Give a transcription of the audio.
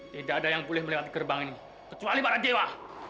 tidak ada yang boleh melewati gerbang ini kecuali barang dewa